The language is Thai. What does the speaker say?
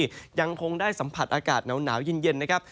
พื้นที่ยังคงได้สัมผัสอากาศหนาวยินนะครับ